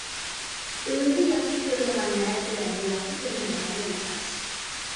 ئۆزى ياخشى كۆرىدىغان نەرسىلەرنى ياخشى كۆرمەيدىغان بولۇپ قېلىش.